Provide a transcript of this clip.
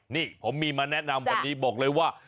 นี่ผมมีมาแนะนำวันนี้บอกเลยว่า